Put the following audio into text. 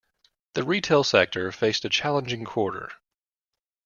The retail sector faced a challenging quarter.